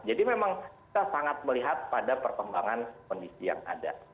jadi memang kita sangat melihat pada perkembangan kondisi yang ada